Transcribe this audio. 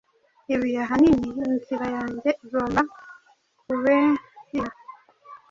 ibi ahanini, inzira yanjye igomba kubehya